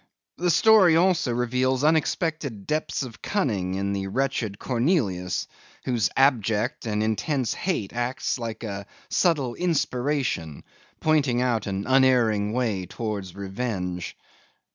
The story also reveals unsuspected depths of cunning in the wretched Cornelius, whose abject and intense hate acts like a subtle inspiration, pointing out an unerring way towards revenge.